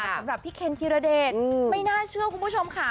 สำหรับพี่เคนธีรเดชไม่น่าเชื่อคุณผู้ชมค่ะ